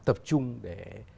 tập trung để